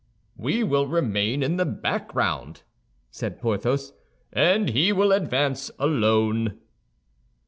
"We will remain in the background," said Porthos, "and he will advance alone."